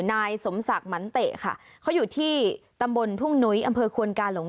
นายสมศักดิ์หมันเตะค่ะเขาอยู่ที่ตำบลทุ่งนุ้ยอำเภอควนกาหลง